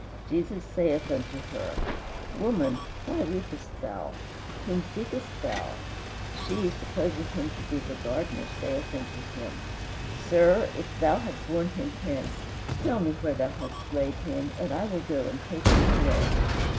"Jesus saith unto her, Woman, why weepest thou? whom seekest thou? She, supposing him to be the gardener, saith unto him, Sir, if thou have borne him hence, tell me where thou hast laid him, and I will go and take him away.